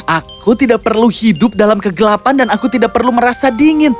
aku tidak perlu hidup dalam kegelapan dan aku tidak perlu merasa dingin